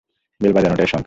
Bell বাজানোটাই সংকেত।